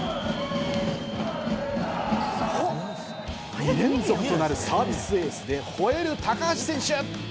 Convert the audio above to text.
２連続となるサービスエースでほえる高橋選手。